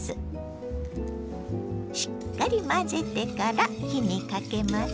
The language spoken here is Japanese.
しっかり混ぜてから火にかけます。